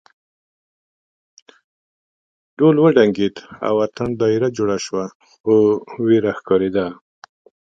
ډول وډنګېد او اتڼ دایره جوړه شوه خو وېره ښکارېده.